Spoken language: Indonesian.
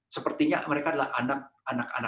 sepertinya mereka adalah anak anak